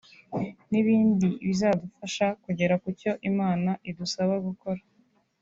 n’ibindi bizabafasha kugera kucyo Imana idusaba gukora